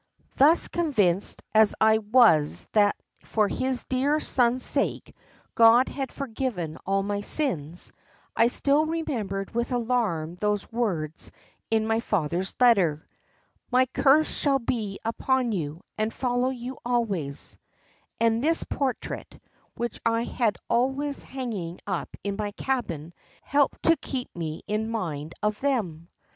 "Thus convinced as I was that for His dear Son's sake God had forgiven all my sins, I still remembered with alarm those words in my father's letter, 'My curse shall be upon you, and follow you always;' and this portrait, which I had always hanging up in my cabin, helped to keep me in mind of them.